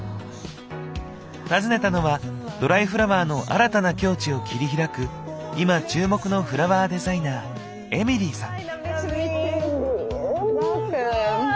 訪ねたのはドライフラワーの新たな境地を切り開く今注目のフラワーデザイナーエミリーさん。